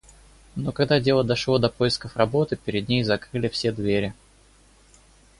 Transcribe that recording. Но когда дело дошло до поисков работы, перед ней закрыли все двери.